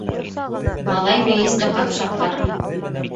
Малай мейесте ҡапшап ҡараны.